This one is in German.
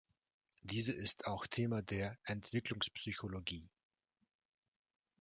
Diese ist auch Thema der Entwicklungspsychologie.